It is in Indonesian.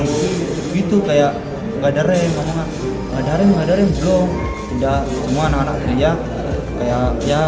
gitu kayak gadare ngomong ada rem rem belum udah semua anak anak dia kayak ya